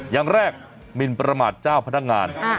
อย่างแรกหมินประมาทเจ้าพนักงาน